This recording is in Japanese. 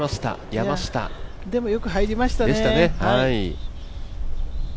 山下でもよく入りましたね。